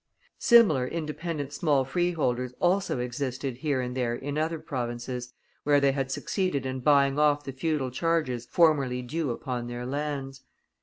Similar independent small freeholders also existed here and there in other provinces, where they had succeeded in buying off the feudal charges formerly due upon their lands.